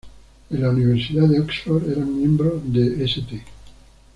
En la Universidad de Oxford, eran miembros de St.